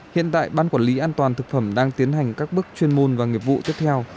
hiện tại ban quản lý an toàn thực phẩm đang tiến hành các bước chuyên môn và nghiệp vụ tiếp theo